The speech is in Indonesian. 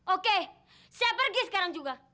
oke saya pergi sekarang juga